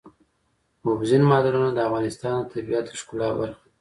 اوبزین معدنونه د افغانستان د طبیعت د ښکلا برخه ده.